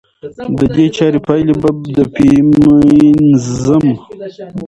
د دې چارې پايلې به د فيمينزم